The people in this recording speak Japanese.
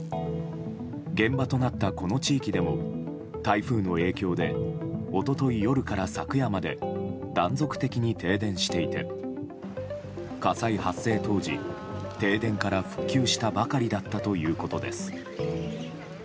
現場となったこの地域でも台風の影響で一昨日夜から昨夜まで断続的に停電していて火災発生当時、停電から復旧したばかりだったということです。